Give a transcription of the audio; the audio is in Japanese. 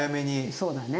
そうだね。